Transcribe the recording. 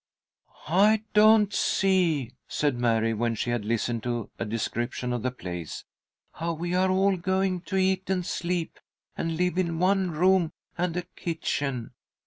"I don't see," said Mary, when she had listened to a description of the place, "how we are all going to eat and sleep and live in one room and a kitchen.